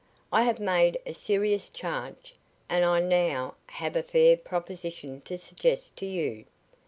I have made a serious charge, and I now have a fair proposition to suggest to you.